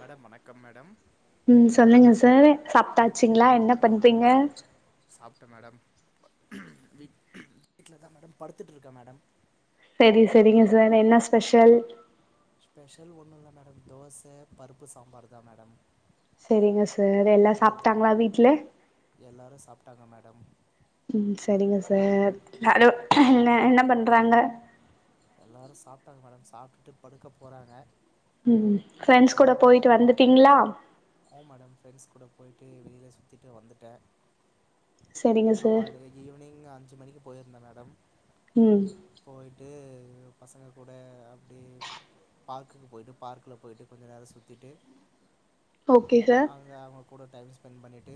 Madam வணக்கம் madam ம் சொல்லுங்க சார் எப் சாப்ட்டாச்சுங்களா என்னப் பண்றீங்கே ட மேடம் வீட் வீட்லெ தா மேடம் படுத்துட்டுருக்கே மேடம் சரி சரிங்க சார் என்னஸ் ஸ்பெஷல் ஸ்பெஷல் ஒண்ணுல்ல மேடம் தோசே பருப்பு சாம்பார் தா மேடம் சரிங்க சார் எல்லா அந்த தோ சாப்ட்டாங்களா வீட்ல எல்லாரும் சாப்பிட்டாங்க மேடம் ம் சரிங்க சார் ஹலோ என்னெ என்ன பண்றாங்க எல்லாரு சாப்ட்டாங் மேடம் சாப்ட்டு படுக்க போறாங்க ம் ஃப்ரெண்ட்ஸ் கூட நானூ போயிட்டு வந்துட்டீங்களா டைம் மேடம் ஃப்ரென்ஸ் கூட போயி டூ வெலிலே சுத்திட்டு வந்துட்டெ செரிங்க சார் [inaudible] ஈவ்னிங் அஞ்சி மணிக்கி போயிருந்தே மேடம் ம் போயிட்டூ பசங்க கூட அப்டே பார்க்குக்கு போயிட்டு பார்க்குலெ போயிட்டு கொஞ்சொ நேரோ சுத்திட்டு ஓகே சார் கூட டைம் ஸ்பெண்ட் பண்ணிட்டு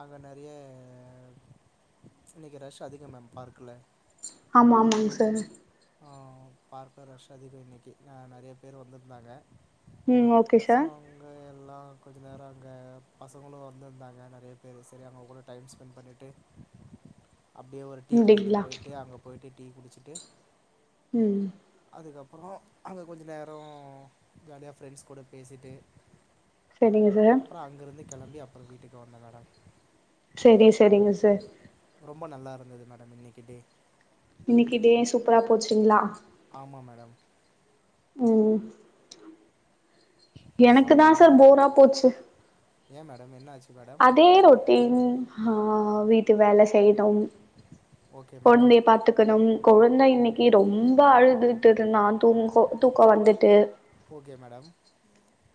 அங்க நெறெயே இன்னிக்கு ரஷ் அதிகம் மேம் பார்க்ல ஆமா ஆமாங் சார் ஆ பார்க்ல ரஷ் அதிக இன்னிக்கு நெறெயே பேர் வந்திருந்தாங்க ம் ஓகே சார் ல்லா கொஞ்சம் நேரோ அங்க பசங்களு வந்துருந்தாங்க நறைய பேரு செரி அவுங்க கூட டைம் ஸ்பெண்ட் பண்ணிட்டு அப்டியே ஒரு டீ கடைக்கு அப்டிங்களா போய்ட்டு அங்க போய்டு டீ குடிச்சிட்டு ம் அதுக்கப்புறோ அங்க கொஞ்ச நேரோ ஜாலியா ஃப்ரெண்ட்ஸ் கூட பேசிட்டு செரிங்க சார் கெளம்பி அப்பறம் வீட்டுக்கு வந்த மேடம் செரி செரிங்க சார் ரொம்ப நல்லா இருந்தது மேடம் இன்னைக்கி டே இன்னிக்கு டே சூப்பரா போச்சுங்களா ஆமாம் மேடம் ம் எனக்கு தான் சொல்லுங்கம்மா சார் போரா போச்சு ஏன் மேடம் என்னாச்சு அதே ரொட்டீன் ஆன் வீட்டு வேல செய்ணும் ஓகே மேடம் கொழந்தய பாத்துக்கணும் கொழந்த ஓ இன்னிக்கு ரொம்ப அழுதுட்டு இருந்தான் தூங்க இப்போ தூக்கம் வந்துட்டு ஓகே மேடம்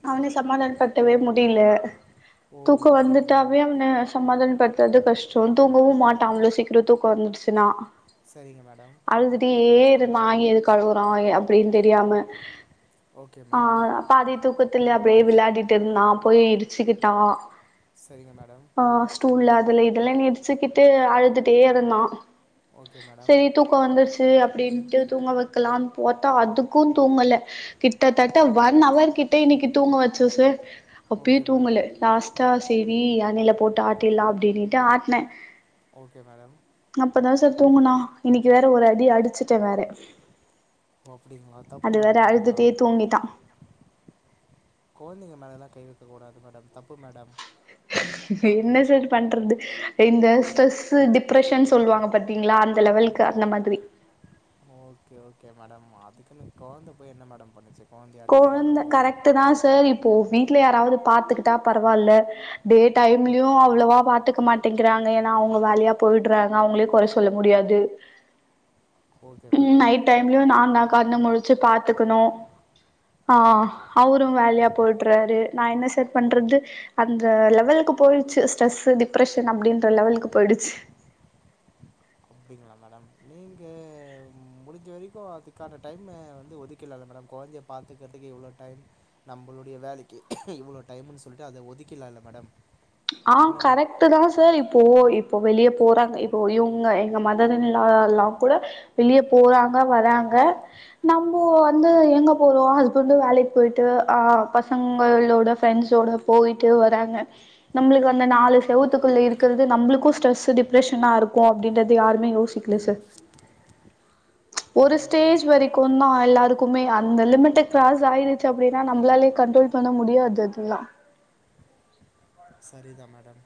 அவன சமாதான படுத்த வே முடியல ஓ தூக்கம் அப்படிங்களா வந்துட்டாவ்வே அவன சமாதானப்படுத்தறது கஷ்டம் தூங்கவும் மாட்டான் அவ்ளோ சீக்கிரம் திரு தூக்கம் வந்துடுச்சுனா சரிங்க மேடம் ஏது மாயி எதுக்கழுவுறான் அப்டின்னு தெரியாம ஓகே ஆ மேடம் பாதி தூக்கத்துல அப்டியே விள்ளாடிட்டு இருந்தான் போய் இடிச்சுக்கிட்டான் செரிங்க மேடம் உள்ள அதுல இதுளன்னு இடிச்சிக்கிட்டு அழுதுட்டேருந்தா ஓகே மேடம் செரி தூக்கம் வந்துருச்சு அப்டின்ட்டு தூங்க வக்கலாம்னு பாத்தா அதுக்கும் தூங்கல கிட்டத்தட்ட ஒன் அவர்கி கிட்ட இன்னிக்கு தூங்க வச்சோ சார் ஓகே அப்யும் மேடம் தூங்கல லாஸ்ட்டா செரி யானையில போட்டு ஆட்டிலாம் அப்டின்னுட்டு ஆட்னே ஓகே மேடம் அப்பதான் சார் தூங்குனா இன்னிக்கு வேற ஒரு அடி அடிச்ட்டேன் வேற அப்டிங்களா தப்பு அது வேற மேடம் அதெல்லா அழுதுட்டே தூங்கிட்டா கொழந்தங்க மேலள்லா கை வக்கக் கூடாது மேடம் தப்பு மேடம் என்ன சார் பண்றது இந்த ஸ்ட்ரெஸ் டிப்ரஷன் சொல்லுவாங்க பாத்தீங்களா அந்த லெவல் க்கு இருக்கு அந்த மாதிரி ஓகே ஓகே மேடம் அதுக்குன்னு கொழந்த போய் என்ன மேடம் பண்ணுச்சி கொழந்த கரெக்ட்டு‌ தா சார் இப்போ வீட்ல யாராவதுப் பாத்துக்குட்டா பரவால்ல டே டைம்லியு அவ்ளவா பாத்துக்க மாட்டேங்கிறாங்க என்னா அவுங்க வேலயா போ போயிடுறாங்க அவுங்களயு கொற சொல்ல முடியாது ஓகே ம் மேடம் நைட் டைம்லயு நான்ந்தா கண்ண முழுச்சி பாத்துக்கணு ஆ அவுரு வேலையா போய்டுறாரு நா என்ன சார் பண்றது அந்த லெவலுக்குப் போய்டுச்சி ஸ்ட்ரெஸ்ஸு டிப்ரெஷன் அப்டின்ற லெவலுக்கு போய்டுச்சி அப்டிங்களா மேடம் நீங்க முடிஞ்ச வெரிக்கு அதுக்கான டைம்ம வந்து ஒதுக்கிலால மேடம் கொ கொழந்தய பாத்துக்கறதுக்கு இவ்ளோ டைம் நம்பளுடைய வேலைக்கு இவ்ளோ டைம்ன் சொல்ட்டு அத ஒதுக்கில்லால மேடம் அ என்ன? கரெக்ட்டு தா சார் இப்போ இப் போ வெளிய போறாங்க இப்போ இவுங்க எங்க மதர் இன்லால்லாம் கூட வெளிய போறாங்க வராங் க நம்போ வந்து எங்க போறோ ஹஸ்பண்ட்டு வேலைக் போய்ட்டு அ பசங்கள் ளோட ப்ரெண்ட்ஸ்ஸோட போய்ட்டு வராங்க நம்பளுக்கு அந்த நாலு செவுத்துக்குள்ள இருக்குறது நம்புளுக்கு ஸ்ட்ரெஸ்ஸு டிப்ரெஷனாருக்கோ அப்டின்றது யாருமே யோசிக்க ல சர் ஒரு கரெக்ட்டு ஸ்டேஜ் தான். வரைக்குந்தா எல்லாருக்குமே அந்த லிமிட்ட கிராஸ் ஆய்ருச்சி‌ அப்டின்னா நம்பளாலே கண்ட்ரோல் ல் பண்ண முடியாது அதுல்லா சரிதா மேடம்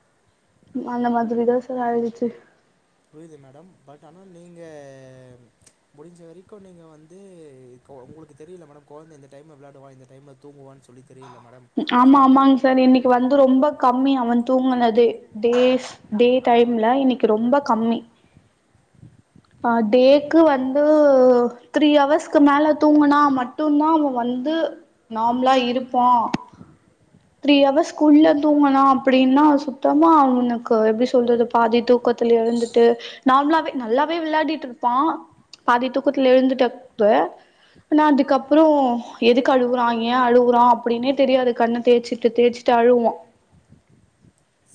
அந்த மாதிரிதா சார் ஆய்ருச்சி புரியுது மேடம் பட் ஆனா நீங்க முடிஞ்ச வெரிக்கு நீங்க வந்து இப்போ உங்களுக்கு தெரியுல்ல மேடம் கொழந்த இந்த டைம்ல விளாடுவா இந்த டைம்ல தூங்குவான்னு சொல்லித் ஆமா ஆமாங் சார் இன்னிக்கு வந்து ரொம்ப க கம்மி அவன் தூங்குனது டேஸ் டே டைம்ல இன்னிக்கு ரொம்ப கம்மி அ டேக்கு வந்து த்ரீ ஹவர்ஸ்க்கு மேல தூங்குனா மட்டுந்தா அவ வந் து நார்ம்லா இருப்பா த்ரீ ஹவர்ஸ்க்குள்ள தூங்கணா அப்டின்னா சுத்தமா அவுனுக்கு எப்டி சொல்றது பாதி தூக்கத் துல எழந்துட்டு நார்மலாவே நல்லாவே விளையாடிட்ருப்பா பாதி துக்குத்துல எழந்துட்டப்ப நா அதுக்கப்புறோ எதுக்கு அழுவுறா ஏ அழுவுறா அப்டின்னே தெரியாது கண்ணத் தேச்சிட்டு தேச்சிட்டு அழுவ்வா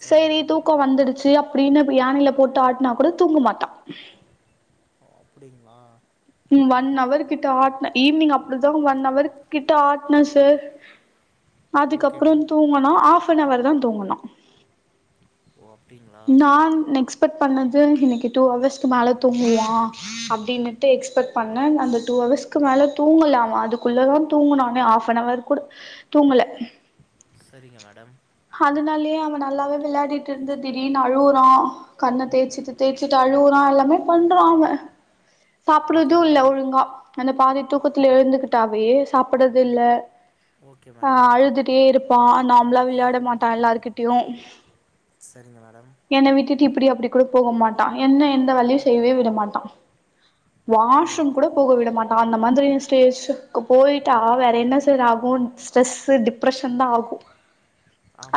சரிங்க செரி மேடம். தூக்கோ வந்துடுச்சி அப் அப்டின்னு யானையில போட்டு ஆட்டினா கூட தூங்க மாட்டா அப்டிங்ளா ம் ஒன் அவர்கிட்ட ஆட்ன ஈவினிங் அப்டிதா ஒன் அவர்கிட்ட ஆட்ன சார் ஓகே அதுக்கப்புறோ‌ மேம். தூங்கணா ஆஃப்பன்அவர் தா தூங்கணா ஓ! அப்படிங்களா? நான் நெக்ஸ்பட் பண்ணது இன்னிக்கு டூ அவர்ஸ்க்கு மேல தோங்குவா அப்டின்னுட் டு எக்ஸ்பெக்ட் பண்ணே அந்த டூ அவர்ஸ்க்கு மேல தூங்கல அவ அதுக்குள்ளவு தூங்குனா அவ ஆஃப்பன்னவர் கூட தூங்கல செரிங்க மேடம் அதனாலயே அவ நல்லாவே விளையாடிட்டு இருந்து திடீர்னு அழுவுறா கண்ண தேய்சிட்டு தேச்சிட்டு அழுறா எல்லாமே பண்றா அவ சாப்புடுறது‌ ஓகே இல்ல மேடம். ஒழுங்கா அந்த பாதி தூக்கத்துல எழுந்துகிட்டாவே சாப்படுறது இல்ல ஓகே அ மேடம் அழுதுட்டே இருப்பா நார்ம்லா விளையாட மாட்டா எல்லார்கிட்டயு சரிங்க மேடம் என்ன விட்டுட்டு இப்டி அப்டிக் கூட போக மாட்டா என்ன எந்த வேலியு செய்யவே விட மாட்டா ஓ வாஷ்ரூம் கூட போக விட மாட்டா அந்த மாதிரி ஸ்டேஜ்க்கு போயிட்டா வேற என்ன சர் ஆகு கு ஸ்ட்ரெஸ்ஸு டிப்ரஷன் தா ஆகு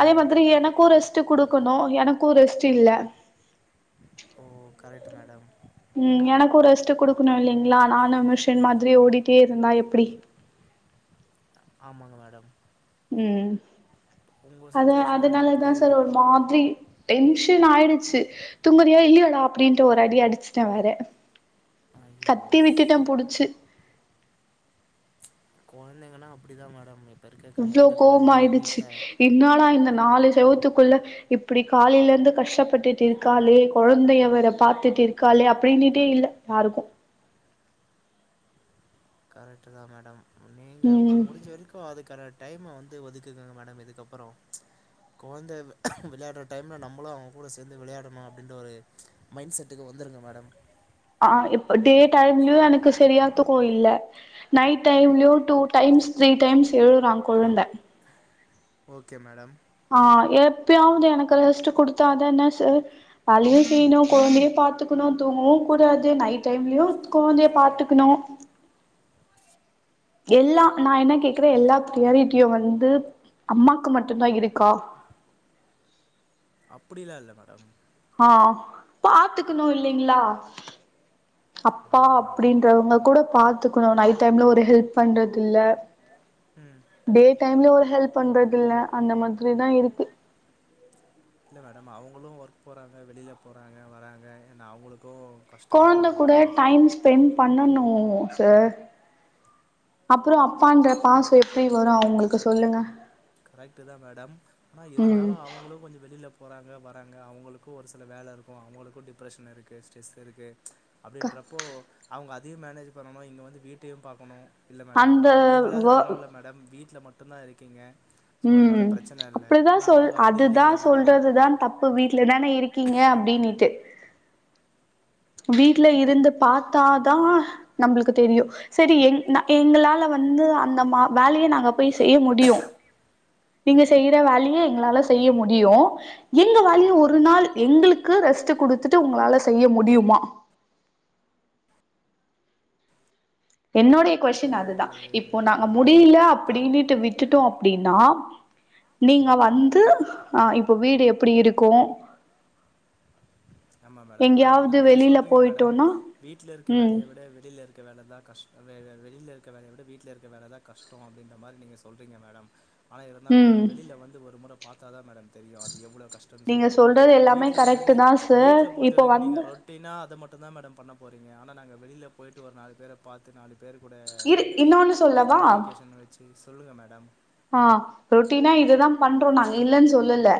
அதே மாதிரி மேடம் எனக்கு ரெஸ்ட்டு குடுக்கணு எனக்கு ரெஸ்ட்டு இல்ல ஒ கரெட்டு மேடம் ம் எனக்கு ரெஸ்ட்டு குடுக்கணு இல்லிங்ளா நானு மிஷின் மாதிரி ஓடிட்டே இருந்தா எப்டி ஆமாங்க மேடம் ம் உங்கள் அத சுச்சுவேஷன் எனக்கு அதனாலதான் சார் புரியுது ஒரு மாதிரி டென்ஷன் ஆயிடுச்சு தூங்றியா இல்லையடா அப்டின்ட்டு ஒரு அடி அடிச்சுட்டே வேற ஐயோ கத்தி ஸ்- விட்டுட்டன் புடிச்சு அப்படிதான் மேடம் இருக்க க- இவ்ளோ எந்த கோவம் குழந்தைங்க ஆயிடுச்சு வீட்டில் என்னாளா என்ன நாலு செவத்துக்குள்ள இப்படி காலிலிருந்து கஷ்டப்பட்டுட்டு இருக்காலே குழந்தைவரை பார்த்துட்டு இருக்காலே அப்படின்னுட்டே இல்ல யாருக்கு கரெக்ட்டு தான் மேடம் நீங்க ம் முடிஞ்ச வரைக்கும் அதுக்கர டைம வந்து வ ஒதுக்குக்குங்க மேடம் இதுக்கப்புறம் குழந்தை விளையாடுற டைம்ல நம்மளும் அவங்க கூட சேர்ந்து விளையாடணும் அப்படின்ற ஒரு மைண்ட் செட்டுக்கு வந்து வந்துருங்க மேடம் ஆ இப்ப டே டைம்லயும் எனக்கு சரியா தூக்கம் இல்ல நைட் டைம்லயு டூ டைம் த்ரீ டைம்ஸ் எலுரா கொழுந்த ஓகே மேடம் ஆ எப்பயாவது எனக்கு ரெஸ்ட்டூ குடுத்தாதான சார் வேலையும் செய்யணும் குழந்தைய பாத்துக்கணும் தூங்கவும் கூடாது நைட் டைம்லயும் குழந்த பாத்துக்கன்னு எல்லா நான் என்ன கேக்குறே எல்லா பிரியாரிட்டியும் வந்து அம்மாக்கு மட்டும்தான் இருக்கா அப்படிலாம் இல்ல மேடம் ஆ பாத்துக்கணும் இல்லைங்களா அப்பா ஆமாம் மேடம் அப்படின்றவங்க கூட பாத்துக்கணும் நைட்டைம்ல ஒரு ஹெல்ப் பண்றது இல்ல ம் டே டைம்ல ஒரு ஹெல்ப் பண்றது இல்ல அந்த மாதிரிதான் இருக்கு இல்ல மேடம் அவங்களும் ஒர்க் போறாங்க வெளியில போறாங்க வராங்க ஏன்னா அவங்களுக்கு குழந்த கூட டைம் ஸ்பென் பண்ணனும் சார் அப்புறம் அப்பான்ற பாசம் எப்படி வரும் அவங்களுக்கு சொல்லுங்க கரெக்ட் தான் மேடம் ஆனா ம் இருந்தாலும் அவங்களும் கொஞ்சம் வெளியில போறாங்க வராங்க அவங்களுக்கும் ஒரு சில வேலை இருக்கும் அவங்களுக்கும் டிப்ரெஷன் இருக்குது ஸ்ட்ரெஸ் இருக்குது க அப்படின்றப்போ அவங்க அதையும் மேனேஜ் பண்ணணும் இங்க வந்து வீட்டையும் பார்க்கணும் இல்லை மேடம் அந்த இப்போது நீங்களாவது வ பரவாயில்ல மேடம் வீட்டில் மட்டுும்தான் இருக்கீங்க ஸோ அதனால பிரச்சனை அப்படிதான் சொல் அதுதான் சொல்றது தான் தப்பு வீட்ல தானே இருக்கீங்க அப்படின்னுட்டு வீட்ல இருந்து பார்த்தாதான் நம்மளுக்கு தெரியும் சரி எங எங்களால வ வந்து அந்த மா வேலையை நாங்க போய் செய்ய முடியும் நீங்க செய்யற வேலையை எங்களால செய்ய முடியும் எங்க ஆமா வேலையை ஒரு மேடம் நாள் எங்களுக்கு ரெஸ்ட் குடுத்துட்டு உங்களால செய்ய முடியுமா என்னுடைய கொஸ்டின் இது அதுதான் இப்போ நாங்க முடியல கரெக்ட் அப்படின்னுட்டு விட்டுட்டோம் அப்படின்னா நீங்க ஓகே வந்து மேடம் ஆ இப்போ வீடு எப்படி இருக்கும் ஆமா மேடம் மேடம் ஆனா நீங்க சொல்றீங்க மேடம் போயிட்டோனா வீட்டுல இருக்க ம் வேலையை விட வெளியில இருக் இரு வேலைதான் கஷ்டம் வெளியில இருக்கற வேலை விட வீட்டல இருக்கற வேலைதான் கஷ்டம் அப்படின்ற மாதிரி நீங்க சொல்றீங்க மேடம் ஆனால் இருந்தாலும் ம் நீங்கள் வெளியில வந்து ஒரு முறை பார்த்தா தான் மேடம் தெரியும் அது எவ்வளவு கஷ்டம்னு நீங்க சொல்லிட்டு சொல்றது எல்லாமே வீட்டில கரெக்ட் இருந்து தா சார் வீட்டல பொறுத்த இப்போ வரைக்கும் நீங்க வந்து ரொட்டினா அதை மட்டும் தான் மேடம் பண்ண போறீங்க ஆனா நாங்க வெளிய போயிட்டு ஒரு நாலு பேரை பார்த்து நாலு பேர் கூட இரு இன்னொன்னு சொல்லவா கம்யூனிகேஷன் வச்சு சொல்லுங்க மேடம் ஆ ரொட்டினா இதுதா பண்றோ நாங்க இல்லன்னு சொல்லுல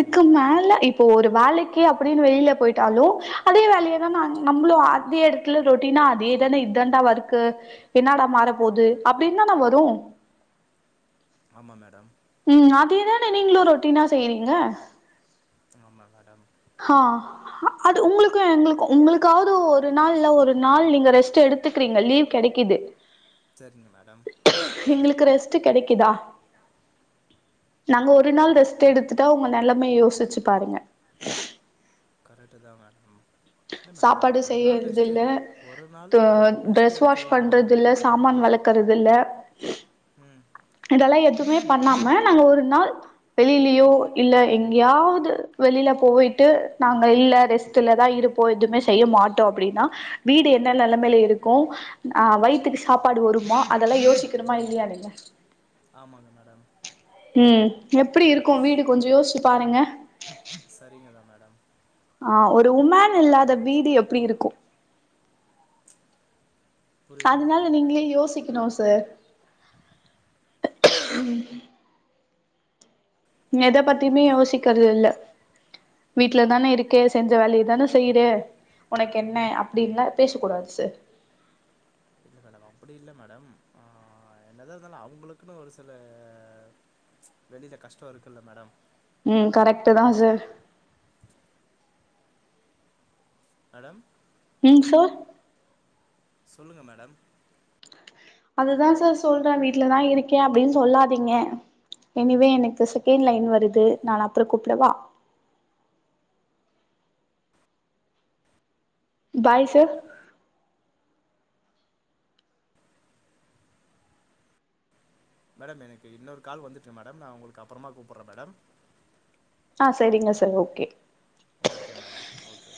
ஆமா மேடம் மேல இப்போ ஒரு வேலைக்கு அப்பனு வெளியில போயிட்டாலும் அதே வேலைய நம்மளும் அதே இடத்துல ரொட்டனா அதே தான இ தான் வருக்கு என்னடா மாற போது அப்டி தான வரு ஆமா மேடம் ம் அதேதானே நீங்களும் ரொட்டினா செய்யறீங்க ஆமா மேடம் ஹா அது உங்களுக்கு எங்களுக்கு உங்களுக்காவது ஒரு நாள் இல்ல ஒரு நாள் நீங்க ரெஸ்ட்டு எடுத்துக்கிறீங்க லீவ் கெடைக்குது சேரிங்க மேடம் எங்களுக்கு ரெஸ்ட்டு கெடைக்குதா நாங்க ஒரு நாள் கர ரெஸ்ட் எடுத்துட்டா உங்க நெலைமைய யோசிச்சு பாருங்க கரெக்டு தா மேடம் இல்ல மேடம் நீங்க சாப்பாடு ஒரு நாள் செய்யறது ரெஸ்ட்டு இல்ல ஒரு நாள் தொ ரெஸ்ட்டு ட்ரெஸ் வாஷ் எடுத்துக்கலா மேடம் பண்றது இல்ல சாமான் வெலக் கறதில்ல ம் இதெல்லா எதுமே பண்ணாம நாங்க ஒரு நாள் வெளிலயோ இல்ல எங்கயாவது வெளில போயிட்டு நாங்க இல்ல ரெஸ்ட்டுலதா இரு ந்துபோ எதுமே செய்ய மாட்டோ அப்டினா வீடு என்ன நெலமேல இருக்கு அ வயித்துக்கு சாப்பாடு ஒருமோ அதெல்லா யோசிக்கணுமா இல்லையா நீங்க ஆமாங்க மேடம் ம் எப்டி இருக்கு வீடு கொஞ்சோ யோசிச்சு பாருங்க சரிங்கதா மேடம் ஆ ஒரு உமேன் இல்லாத வீடு எப்டி இருக்கு புரியுது அதனால மேடம் நீங்களே யோசிக்கணு ஸ் த மெத பத்தியுமே யோசிக்கறது இல்ல வீட்ல தான இருக்கே செஞ்ச வேலயே தான செய்றே உனக்கு என்ன அப்டின்லா பேச கூடாது சு அப்டி இல்ல மேடம் அ என்னதா இருந்தாலு அவுங்களுக்குனு ஒரு சில வெளில கஷ்டோ இருக்குல்ல மேடம் ம் கரெக்ட்டு தான் சார் மேடம் ம் சார் சொல்லுங்க மேடம் அதுதான் சார் சொல்றே வீட்டுலதா இருக்கேன் அப்டின்னு சொல்லாதீங்க எனிவே எனக்கு செகண்ட் லைன் வருது நா அப்றம் கூப்டவா பாய்சு மேடம் எனக்கு இன்னொரு கால் வந்துட்டுருக்கு மேடம் நான் உங்களுக்கு அப்றமா கூப்டுறேன் மேடம் ஆ செரிங்க sir okay okay madam okay